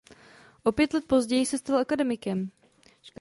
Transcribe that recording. O pět let později se stal akademikem.